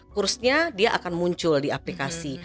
kursnya dia akan muncul di aplikasi